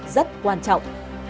rất quan trọng